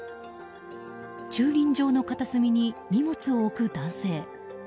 駐輪場の片隅に荷物を置く男性。